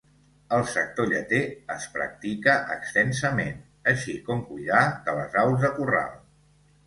El sector lleter es practica extensament, així com cuidar de les aus de corral.